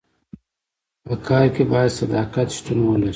په کار کي باید صداقت شتون ولري.